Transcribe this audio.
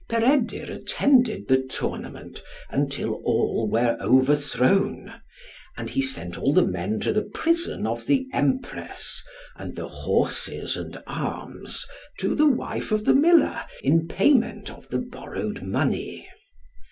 Peredur attended the tournament until all were overthrown, and he sent all the men to the prison of the Empress, and the horses and arms to the wife of the miller, in payment of the borrowed money.